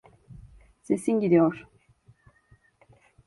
Sesin gidiyor.